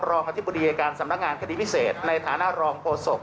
อธิบดีอายการสำนักงานคดีพิเศษในฐานะรองโฆษก